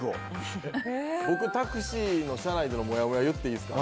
僕タクシーの車内でのもやもや言っていいですか。